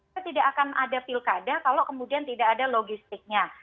saya tidak akan ada pilkada kalau kemudian tidak ada logistiknya